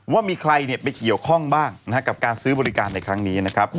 ว่ามีใครไปเกี่ยวข้องบ้างกับการซื้อบริการในครั้งนี้นะครับ